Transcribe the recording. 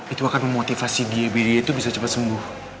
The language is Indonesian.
itu akan memotivasi dia biar dia tuh bisa cepet sembuh